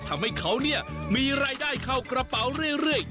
ทำให้เขาเนี่ยมีรายได้เข้ากระเป๋าเรื่อย